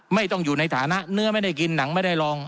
ไม่ต้องอยู่ในฐานะเนื้อไม่ได้กินหนังไม่ได้ลอง